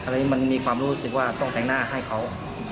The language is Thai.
บอกว่าต้องแต่งหน้าให้เขา